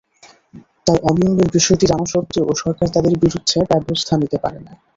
তাই অনিয়মের বিষয়টি জানা সত্ত্বেও সরকার তাঁদের বিরুদ্ধে ব্যবস্থা নিতে পারে না।